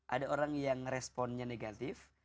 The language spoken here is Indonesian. ada orang yang responnya negatif